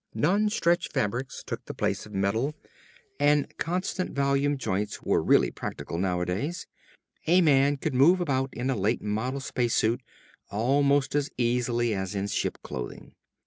Non stretch fabrics took the place of metal, and constant volume joints were really practical nowadays. A man could move about in a late model space suit almost as easily as in ship clothing.